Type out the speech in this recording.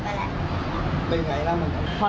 เป็นไงแล้วเหมือนกัน